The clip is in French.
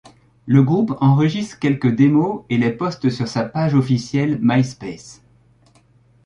Le groupe enregistre quelques démos et les poste sur sa page officielle MySpace.